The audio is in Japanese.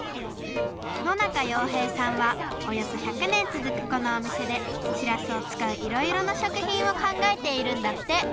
野仲洋平さんはおよそ１００ねんつづくこのおみせでしらすを使ういろいろなしょくひんをかんがえているんだって！